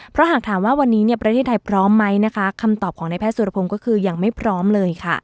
เพราะหากถามว่าวันนี้ประเทศไทยพร้อมมั้ยนะคะคำตอบของไทยคือยังไม่พร้อมเลยค่ะ